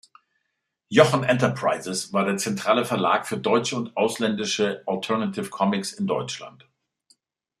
Jochen Enterprises war der zentrale Verlag für deutsche und ausländische Alternative Comics in Deutschland.